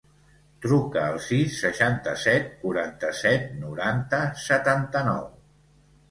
Truca al sis, seixanta-set, quaranta-set, noranta, setanta-nou.